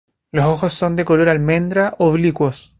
Los ojos son color almendra, oblicuos.